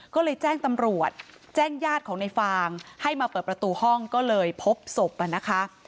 ก็เลยแจ้งตำรวจแจ้งญาติของในฟางให้มาเปิดประตูห้องก็เลยพบศพนะคะ